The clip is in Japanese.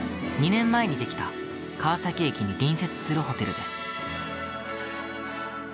２年前にできた川崎駅に隣接するホテルです。